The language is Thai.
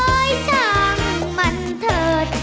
เอ๊ยช่างมันเถิด